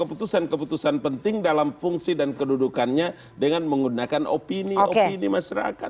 keputusan keputusan penting dalam fungsi dan kedudukannya dengan menggunakan opini opini masyarakat